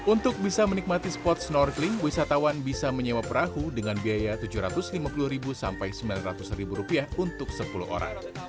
untuk bisa menikmati spot snorkeling wisatawan bisa menyewa perahu dengan biaya rp tujuh ratus lima puluh sampai rp sembilan ratus untuk sepuluh orang